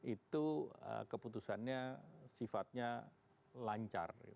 itu keputusannya sifatnya lancar